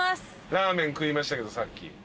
ラーメン食いましたけどさっき。